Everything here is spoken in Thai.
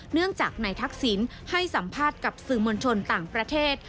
เนื่องจากนายทักษิณให้สัมภาษณ์กับสื่อมวลชนต่างประเทศ